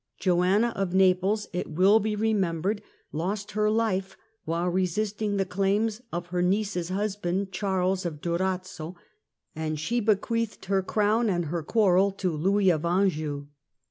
Joanna of Naples, it will be remembered, lost her life Disputed while resisting the claims of her niece's husband, Charles fn Napie" of Durazzo, and she bequeathed her crown and her quarrel to Louis of Anjou.